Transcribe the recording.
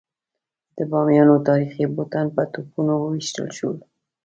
د بامیانو تاریخي بوتان په توپونو وویشتل شول.